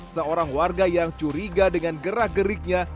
seorang warga yang curiga dengan gerak geriknya